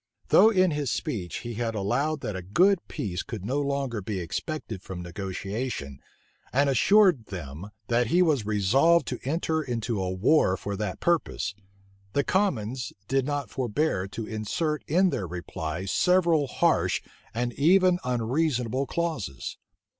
Though in his speech he had allowed that a good peace could no longer be expected from negotiation, and assured them, that he was resolved to enter into a war for that purpose, the commons did not forbear to insert in their reply several harsh and even unreasonable clauses.